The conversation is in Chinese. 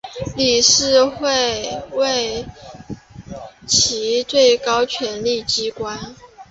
理事会为其最高权力机关。